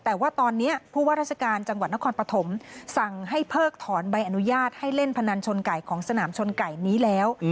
แต่ว่าตอนนี้ผู้ว่าราชการจังหวัดนครปฐมสั่งให้เพิกถอนใบอนุญาตให้เล่นพนันชนไก่ของสนามชนไก่นี้แล้ว